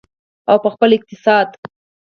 او په خپل اقتصاد.